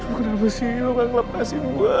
lo kenapa sih lo kan lepasin gue